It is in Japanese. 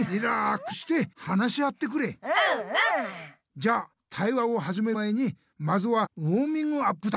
じゃあ対話をはじめる前にまずはウォーミングアップだ。